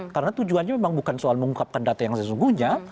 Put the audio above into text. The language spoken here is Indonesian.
karena tujuannya memang bukan soal mengungkapkan data yang sesungguhnya